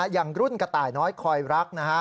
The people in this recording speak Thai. อย่างรุ่นกระต่ายน้อยคอยรัก